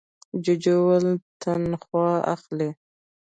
جوجو وویل تنخوا اخلې؟